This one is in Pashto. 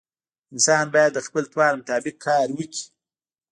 انسان باید د خپل توان مطابق کار وکړي.